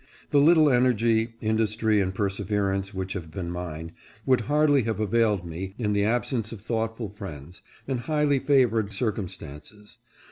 The little energy, industry, and perseverance which have been mine, would hardly have availed me, in the absence of thoughtful friends, and highly favoring circumstances.